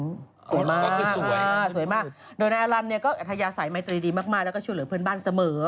สวยมากสวยมากโดยอัลลังก็อัธยาสัยไม้ตรีดีมากและช่วยเหลือเพื่อนบ้านเสมอ